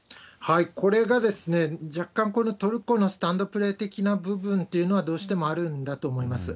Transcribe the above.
これが若干、このトルコのスタンドプレー的な部分というのは、どうしてもあるんだと思います。